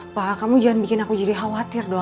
pak kamu jangan bikin aku jadi khawatir dong